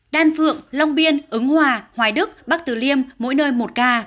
đan phượng long biên ứng hòa hoài đức bắc từ liêm mỗi nơi một ca